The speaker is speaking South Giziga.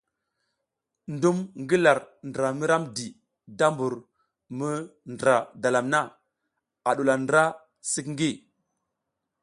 Ndum ngi lar ndra mi ramdi da mbur mi ndǝra dalam na a ɗuwula ndra sik ngi.